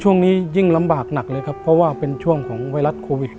ยิ่งลำบากหนักเลยครับเพราะว่าเป็นช่วงของไวรัสโควิด